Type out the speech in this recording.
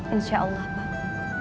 insya allah pak